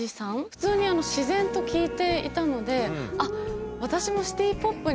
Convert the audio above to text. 普通に自然と聴いていたので「あっ私も」。